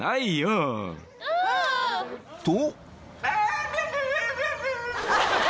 ［と］